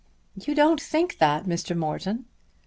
"You don't think that, Mr. Morton."